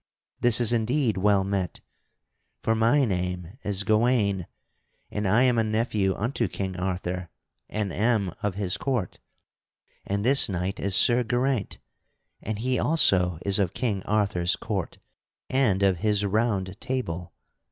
this is indeed well met, for my name is Gawaine and I am a nephew unto King Arthur and am of his court; and this knight is Sir Geraint, and he also is of King Arthur's court and of his Round Table.